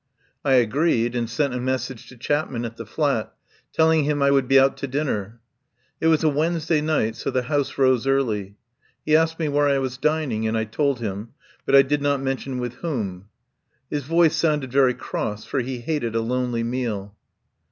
I agreed, and sent a message to Chapman at the flat, telling him I would be out to din ner. It was a Wednesday night, so the House rose early. He asked me where I was dining, 135 THE POWER HOUSE and I told him, but I did not mention with whom. His voice sounded very cross, for he hated a lonely meal.